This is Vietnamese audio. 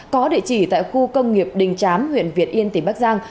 có địa chỉ tại khu công nghiệp đình chám huyện việt yên tỉnh bắc giang